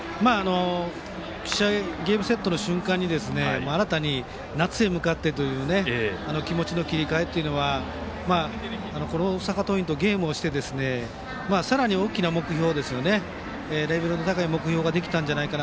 ゲームセットの瞬間に新たに夏に向かってという気持ちの切り替えというのはこの大阪桐蔭とゲームをしてさらに大きな目標レベルの高い目標ができたんじゃないか。